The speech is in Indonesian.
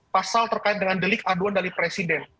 pasal terkait dengan delik aduan dari presiden